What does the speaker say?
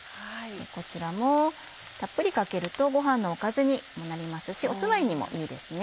こちらもたっぷりかけるとごはんのおかずにもなりますしおつまみにもいいですね。